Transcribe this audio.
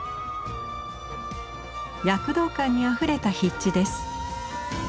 躍動感にあふれた筆致です。